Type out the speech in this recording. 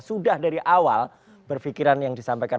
sudah dari awal berpikiran yang disampaikan